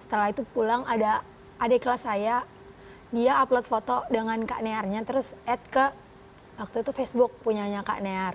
setelah itu pulang ada adek kelas saya dia upload foto dengan kak kaniarnya terus add ke waktu itu facebooknya gitu ya